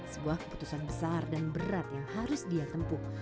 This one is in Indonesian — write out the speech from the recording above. sebuah keputusan besar dan berat yang harus dia tempuh